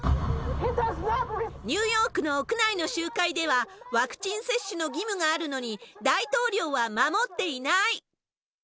ニューヨークの屋内の集会ではワクチン接種の義務があるのに、大統領は守っていない。